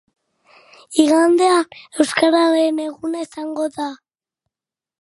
Neurketa zirraragarria eta ikusgarria izan zen.